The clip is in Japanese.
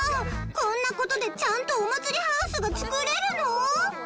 こんな事でちゃんとお祭りハウスが作れるの？